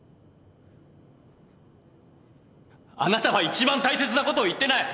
あなたは一番大切なことを言ってない！